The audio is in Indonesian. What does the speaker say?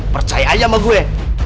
percaya aja sama gue